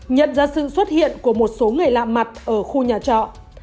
nhận ra sự xuất hiện của một số người lạ mặt ở khu nhà trọ